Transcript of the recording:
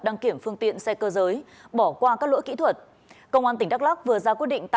đăng kiểm phương tiện xe cơ giới bỏ qua các lỗi kỹ thuật công an tỉnh đắk lắc vừa ra quyết định